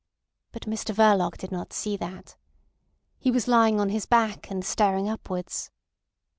But Mr Verloc did not see that. He was lying on his back and staring upwards.